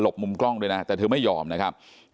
บมุมกล้องด้วยนะแต่เธอไม่ยอมนะครับ